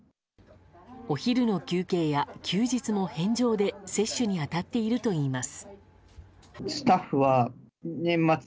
お昼の休憩や休日も返上で接種に当たっているといいます。